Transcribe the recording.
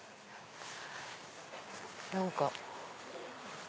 何か。